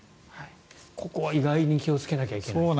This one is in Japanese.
ここは意外に気をつけないといけないと。